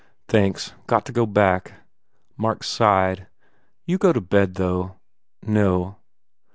"Thanks. Got to go back." Mark sighed, u You go to bed, though." "No."